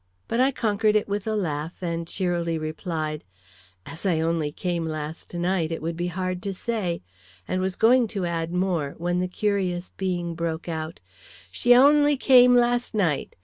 But I conquered it with a laugh, and cheerily replied: "As I only came last night, it would be hard to say" and was going to add more, when the curious being broke out: "She only came last night!"